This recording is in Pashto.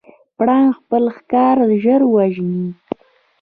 پړانګ خپل ښکار ژر وژني.